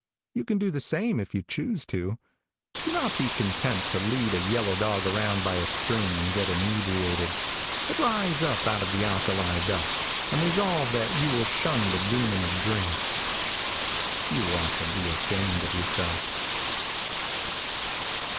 You can do the same if you choose to. Do not be content to lead a yellow dog around by a string and get inebriated, but rise up out of the alkali dust, and resolve that you will shun the demon of drink. You ought to be ashamed of yourself.